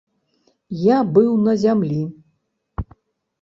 Я быў на зямлі.